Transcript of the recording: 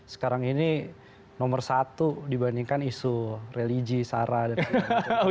sekarang ini nomor satu dibandingkan isu religi sara dan lain lain